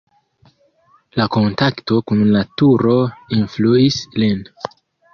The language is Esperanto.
La kontakto kun naturo influis lin.